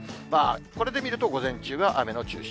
これで見ると、午前中が雨が中心。